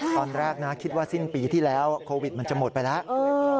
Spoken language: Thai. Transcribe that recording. ตอนแรกนะคิดว่าสิ้นปีที่แล้วโควิดมันจะหมดไปแล้ว